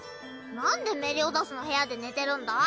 なんでメリオダスの部屋で寝てるんだ？